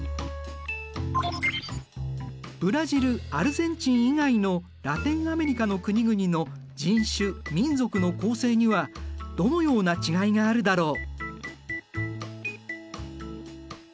ブラジルアルゼンチン以外のラテンアメリカの国々の人種・民族の構成にはどのような違いがあるだろう？